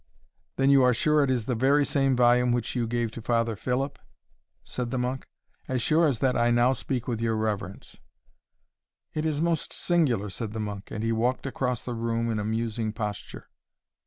"Then you are sure it is the very same volume which you gave to Father Philip?" said the monk. "As sure as that I now speak with your reverence." "It is most singular!" said the monk; and he walked across the room in a musing posture.